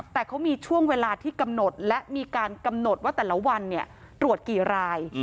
แต่เขามีช่วงเวลาที่กำหนดและมีการกำหนดว่าแต่ละวันตรวจกี่ราย